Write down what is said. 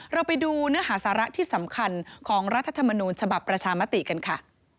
เราไปดูเนื้อหาสาระที่สำคัญของรัฐธรรมนูญฉบับประชามติกันค่ะ